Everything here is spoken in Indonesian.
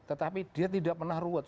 tetapi dia tidak pernah ruwet